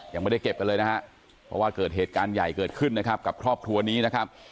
ยังไม่ได้เก็บกันเลยนะฮะเพราะว่าเกิดเหตุการณ์ใหญ่เกิดขึ้นนะครับกับครอบครัวนี้นะครับ